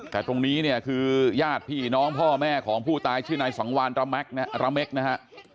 แต่ตรงนี้เนี่ยคือญาติพี่น้องพ่อแม่ของผู้ตายชื่อนายสังวานระเม็กนะฮะ